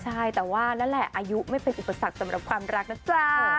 ใช่แต่ว่านั่นแหละอายุไม่เป็นอุปสรรคสำหรับความรักนะจ๊ะ